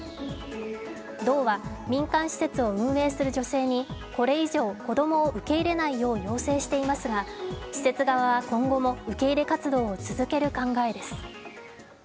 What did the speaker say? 道は民間施設を運営する女性にこれ以上、子供を受け入れないよう要請していますが施設側は今後も受け入れ活動を続ける考えです。